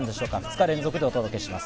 ２日連続でお届けします。